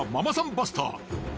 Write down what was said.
バスター。